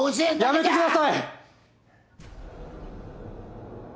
・やめてください！